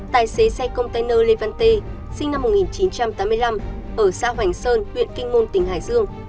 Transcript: tài xế xe container levante sinh năm một nghìn chín trăm tám mươi năm ở xã hoành sơn huyện kinh môn tỉnh hải dương